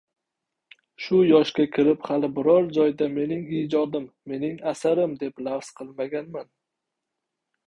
Shu yoshga kirib hali biror joyda “mening ijodim, mening asarim” deb lafz qilmaganman.